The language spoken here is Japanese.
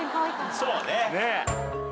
そうね。